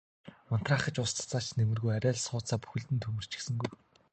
Унтраах гэж ус цацаад ч нэмэргүй арай л сууцаа бүхэлд нь түймэрдчихсэнгүй.